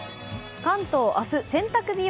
関東明日、洗濯日和。